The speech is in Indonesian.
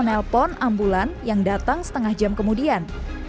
eko menelpon ambulans yang datang setengah jam kemudian